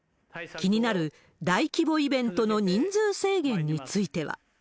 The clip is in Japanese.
気になる大規模イベントの人数制限については。